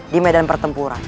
di medan pertempuran